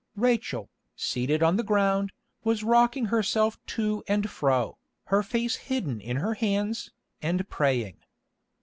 Rachel, seated on the ground, was rocking herself to and fro, her face hidden in her hands, and praying.